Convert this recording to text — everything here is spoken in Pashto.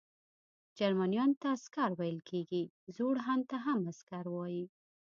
جرمنیانو ته عسکر ویل کیږي، زوړ هن ته هم عسکر وايي.